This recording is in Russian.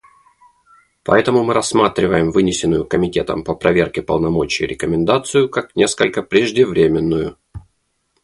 Поэтому мы рассматриваем вынесенную Комитетом по проверке полномочий рекомендацию как несколько преждевременную.